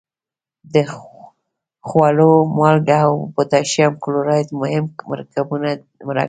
د خوړو مالګه او پوتاشیم کلورایډ مهم مرکبونه دي.